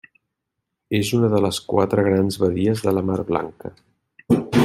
És una de les quatre grans badies de la Mar Blanca.